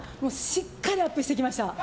しっかりアップしてきました！